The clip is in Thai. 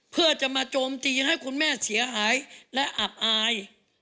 เพื่อจะมาโจมตีให้คุณแม่เสียหายและอับอาย